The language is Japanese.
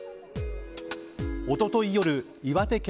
おととい夜、岩手県